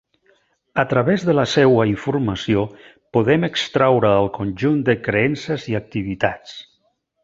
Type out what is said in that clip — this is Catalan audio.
A través de la seua informació podem extraure el conjunt de creences i activitats.